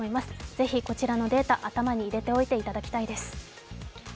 ぜひ、こちらのデータ、頭に入れておいていただきたいです。